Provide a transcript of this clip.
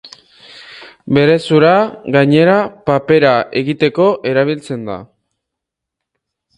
Bere zura, gainera, papera egiteko erabiltzen da.